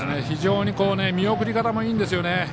非常に見送り方もいいんですよね。